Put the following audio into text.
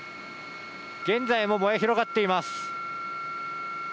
現在も燃え広がっています。